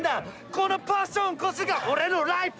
このパッションこそが俺のライフ！